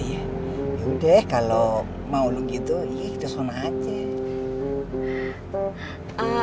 yaudah kalau mau lo gitu ya kita sana aja